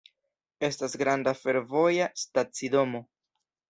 Estas granda fervoja stacidomo.